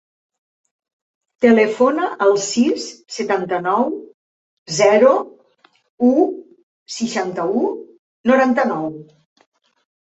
Telefona al sis, setanta-nou, zero, u, seixanta-u, noranta-nou.